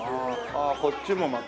ああこっちもまた。